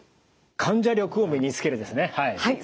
患者力を身につけるですね！